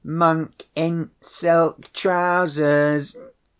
"Monk in silk trousers!"